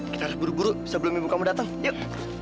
kita harus buru buru sebelum ibu kamu datang yuk